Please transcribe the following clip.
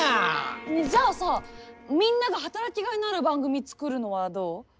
ねえじゃあさみんなが働きがいのある番組作るのはどう？